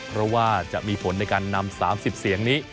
เพราะว่าจะมีผลในการนำ๓๐เสียงนี้